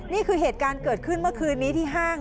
นี่คือเหตุการณ์เกิดขึ้นเมื่อคืนนี้ที่ห้าง